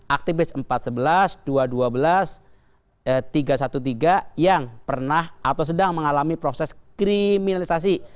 aktivis empat sebelas dua ratus dua belas tiga ratus tiga belas yang pernah atau sedang mengalami proses kriminalisasi